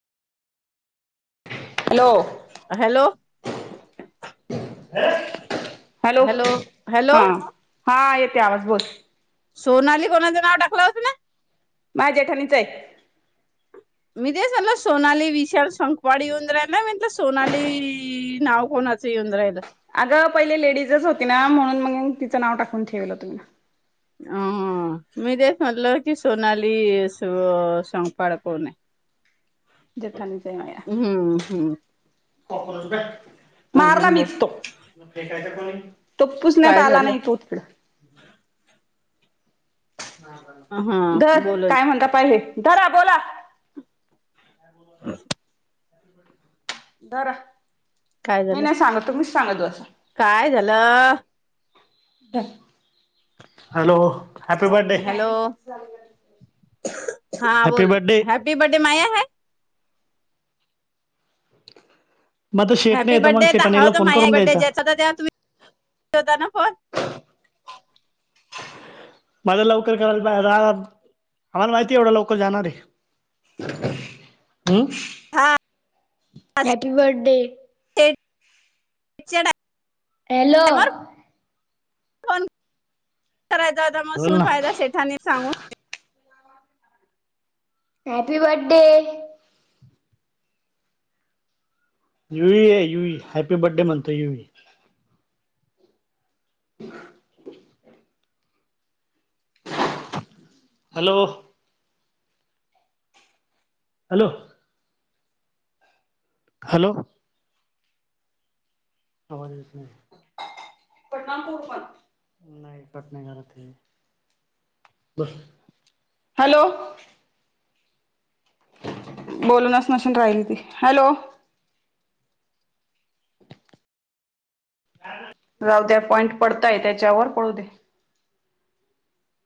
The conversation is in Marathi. हॅलो हॅलो हॅलो हा हा येते आवाज बस सोनाली कोणाज का आ डाकला लागत ना माझ्या ठाणीच आहे मी तेसला सोनाली विशाल संखवाडीऊन राहिला म्हटलं सोनाली नाव कोण ्रयल अगं पहिले लेडीजच होती ना म्हणून मग तिचं नाव टाकून ठेवलं तुम्ला अ मी तेच म्हटल की सोनाली संखपाळ कोण आहे जेठाणीच आहे हम्म हम्म मारला अजून बोल मिसतो फेकायचा कोणी तो पुसण्यात काय आला झालं नाही तोतकड हा धर काय बोलच म्हणता पाहिले धरा बोला ह बरा काय मी झालं नाही सांगत तु म्ीच सांगतं काय झालं हॅलो हॅपी बर्थडे हॅलो हा हॅपी बोल बर्थडे हॅपी बर्डे माया है मग आता शेट नाही हॅप्पी येत मग बडथडे तर शेटाणीला हहत फोन माझ करून द्यायचा बर्थडे्यायचा तेव्हा तुम्ही होताना फोन माझ लवकर कराय आम्हाला माहिती एवढं लवकर जाणार आहे हा हॅपी बर्थडे डा हॅलो करायचा म बोल शिून ना फायदा सेठानी सांगून हॅपी बर्थडेडे यु आहे यु हॅपी बर्थडे म्हणतोय युही [unintelligible] हॅलो हॅलो हॅलो आवाज येत नाही. [unintelligible] हॅलो बोलूनच नशन राहिली ती हॅलो जाऊ द्या पॉइंट पडताय त्याच्यावर पडू दे